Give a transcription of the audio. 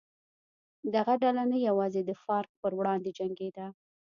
دغه ډله نه یوازې د فارک پر وړاندې جنګېده.